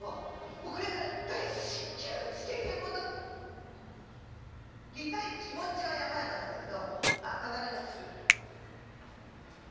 もうこれから大至急地検へ戻りたい気持ちはやまやまなんだけどまた連絡する。